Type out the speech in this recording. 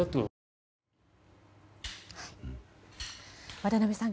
渡辺さん